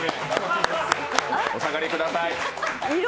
お下がりください。